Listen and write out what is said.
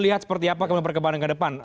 lihat seperti apa kembali ke depan